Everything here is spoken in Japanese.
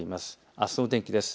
あすの天気です。